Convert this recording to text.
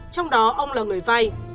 trong đó ông là người vay